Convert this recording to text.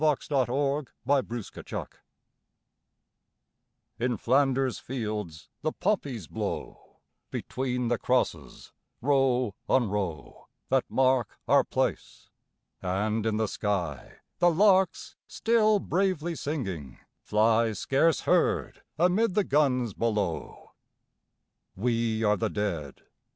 L.} IN FLANDERS FIELDS In Flanders fields the poppies grow Between the crosses, row on row That mark our place: and in the sky The larks still bravely singing, fly Scarce heard amid the guns below. We are the Dead.